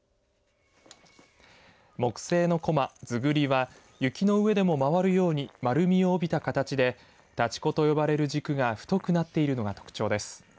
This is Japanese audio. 木製のこま、ずぐりは雪の上でも回るように丸みを帯びた形で立ち子と呼ばれる軸が太くなっているのが特徴です。